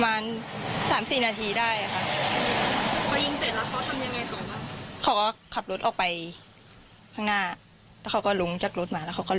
ไม่ได้มาก็อยู่ในบ้านเขา